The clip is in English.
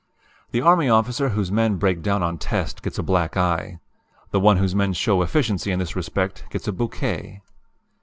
"The army officer whose men break down on test gets a black eye. The one whose men show efficiency in this respect gets a bouquet.